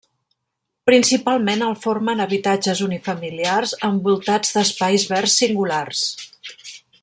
Principalment el formen habitatges unifamiliars envoltats d'espais verds singulars.